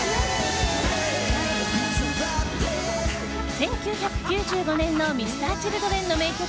１９９５年のＭｒ．Ｃｈｉｌｄｒｅｎの名曲